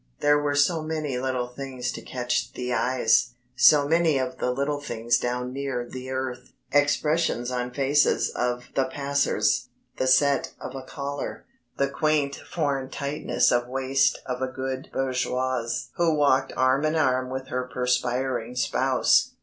There were so many little things to catch the eyes, so many of the little things down near the earth; expressions on faces of the passers, the set of a collar, the quaint foreign tightness of waist of a good bourgeoise who walked arm in arm with her perspiring spouse.